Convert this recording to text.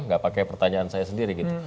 nggak pakai pertanyaan saya sendiri gitu